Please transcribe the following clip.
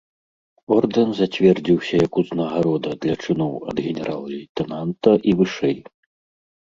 Ордэн зацвердзіўся як узнагарода для чыноў ад генерал-лейтэнанта і вышэй.